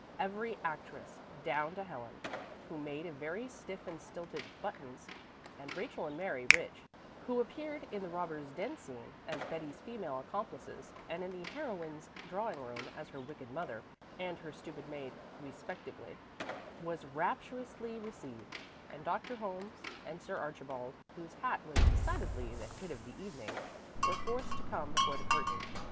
Every actress, down to Helen, who made a very stiff and stilted "Buttons," and Rachel and Mary Rich who appeared in the robbers' den scene as Betty's female accomplices, and in the heroine's drawing room as her wicked mother and her stupid maid respectively, was rapturously received; and Dr. Holmes and Sir Archibald, whose hat was decidedly the hit of the evening, were forced to come before the curtain.